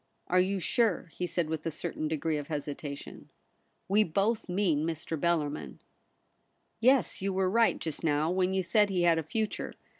* Are you sure ?' he said, with a certain degree of hesitation. 'We both mean Mr. Bellarmln.' * Yes — you were right just now when you said he had a future.